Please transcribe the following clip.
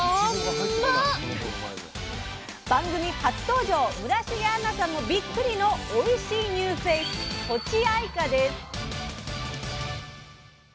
番組初登場村重杏奈さんもびっくりのおいしいニューフェース「とちあいか」です。